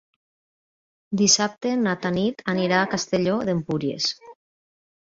Dissabte na Tanit anirà a Castelló d'Empúries.